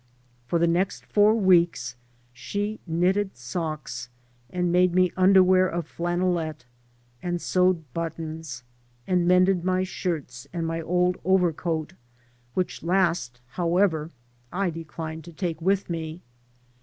For the next four weeks she knitted socks, and made me underwear of flannelette, and sewed buttons, and mended my shirts and my old overcoat, which last, however, I declined to take with me.